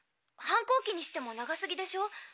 反抗期にしても長すぎでしょ。